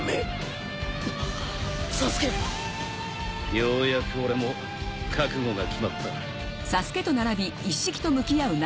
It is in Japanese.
ようやく俺も覚悟が決まった。